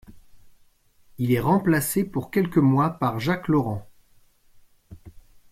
Il est remplacé pour quelques mois par Jacques Laurans.